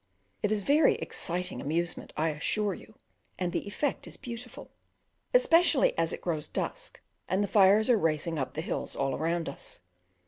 It is a very exciting amusement, I assure you, and the effect is beautiful, especially as it grows dusk and the fires are racing up the hills all around us.